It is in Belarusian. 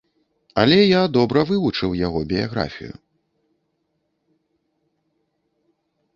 Але я добра вывучыў яго біяграфію.